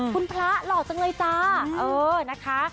คุณพระหล่อจังเลยจ้าเออนะคะ